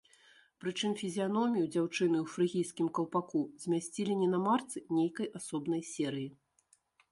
Прычым фізіяномію дзяўчыны ў фрыгійскім каўпаку змясцілі не на марцы нейкай асобнай серыі.